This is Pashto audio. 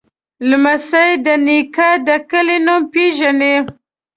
لمسی د نیکه د کلي نوم پیژني.